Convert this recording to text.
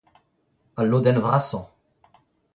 Al lodenn vrasañ.